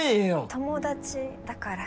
友達だから。